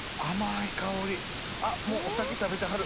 あっもうお先食べてはる。